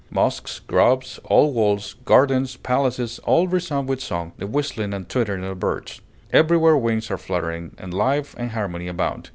Mosques, groves, old walls, gardens, palaces, all resound with song, the whistling and twittering of birds; everywhere wings are fluttering, and life and harmony abound.